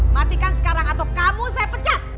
matikan sekarang atau kamu saya pecat